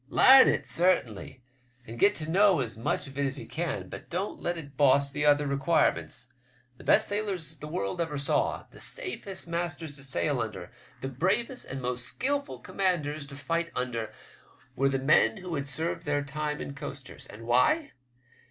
Larn it sartinly, and get to know as much of it as ye can, but don't let it boss the other requirements. The best sailors the world ever saw, the safest masters to sail under, the bravest and most skilful commanders to fight under, were the men who had served their time in coasters; and why?